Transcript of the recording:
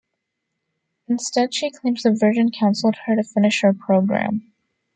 Instead, she claims the Virgin counseled her to finish her program.